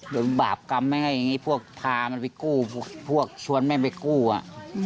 โดนบาปกรรมไม่ให้อย่างนี้พวกพามันไปกู้พวกชวนแม่ไปกู้อ่ะ